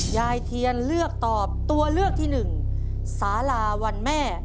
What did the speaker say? ยายเทียนเลือกตอบตัวเลือกที่หนึ่งสาราวันแม่